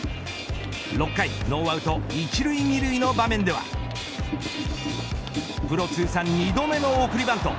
６回ノーアウト１塁２塁の場面ではプロ通算２度目の送りバント。